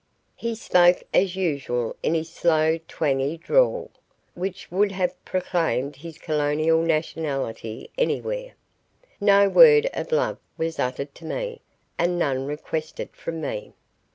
He spoke as usual in his slow twangy drawl, which would have proclaimed his Colonial nationality anywhere. No word of love was uttered to me and none requested from me.